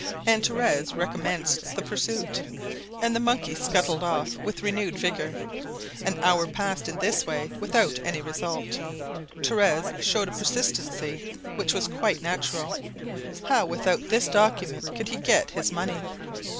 And Torres recommenced the pursuit, and the monkey scuttled off with renewed vigor. An hour passed in this way without any result. Torres showed a persistency which was quite natural. How without this document could he get his money?